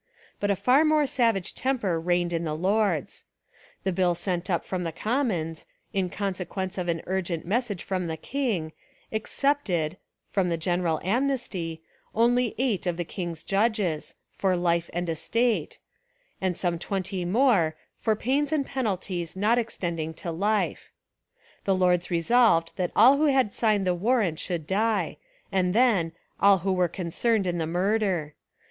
But a far more savage temper reigned in the Lords. The bill sent up from 286 A Rehabilitation of Charles II the Commons, in consequence of an urgent message from the king, 'excepted' (from the general amnesty) only eight of the king's judges, 'for life and estate,' and some twenty more 'for pains and penalties not extending to life,' The Lords resolved that all who had signed the warrant should die, and then 'all who were concerned in the murder.'